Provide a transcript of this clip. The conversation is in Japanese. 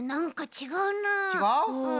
ちがう？